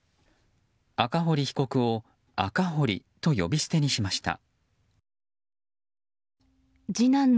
赤堀被告を赤堀と呼び捨てにしました。